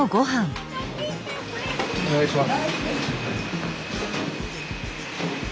お願いします。